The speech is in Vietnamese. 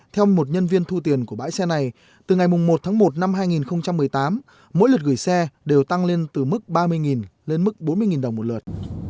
theo một nhân viên thu tiền của bãi xe này từ ngày một tháng một năm hai nghìn một mươi tám mỗi lượt gửi xe đều tăng lên từ mức ba mươi lên mức bốn mươi đồng một lượt